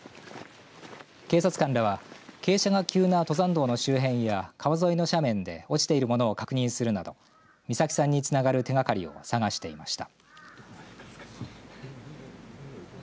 警察官らは傾斜が急な登山道の周辺や川沿いの斜面で落ちているものを確認するなど美咲さんにつながる手がかりを探していました。